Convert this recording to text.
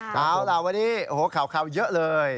คราววันนี้โอ้โหเข่าเยอะเลย